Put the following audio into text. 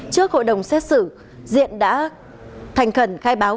trước hội đồng xét xử diện đã thành khẩn khai báo